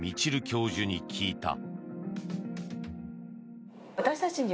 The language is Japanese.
教授に聞いた。